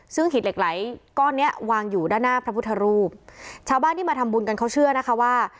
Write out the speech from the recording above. ซึ่งหิดเหล็กไหลก้อนเนี้ยวางอยู่ด้านหน้าพระพุทธรูปชาวบ้านที่มาทำบุญกันเขาเชื่อนะคะว่า